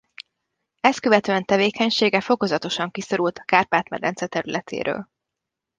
Ezt követően tevékenysége fokozatosan kiszorult a Kárpát-medence területéről.